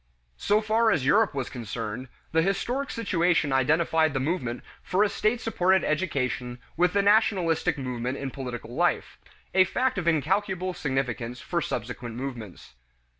So far as Europe was concerned, the historic situation identified the movement for a state supported education with the nationalistic movement in political life a fact of incalculable significance for subsequent movements.